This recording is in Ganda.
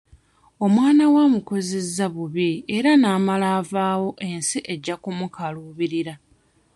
Omwana we amukuzizza bubi era n'amala avaawo ensi ejja mmukaluubirira.